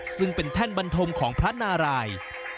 ซึ่งเป็นแท่นบันทมของพระนาราย